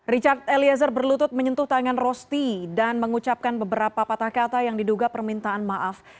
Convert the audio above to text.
richard eliezer berlutut menyentuh tangan rosti dan mengucapkan beberapa patah kata yang diduga permintaan maaf